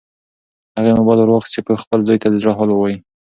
هغې موبایل ورواخیست چې خپل زوی ته د زړه حال ووایي.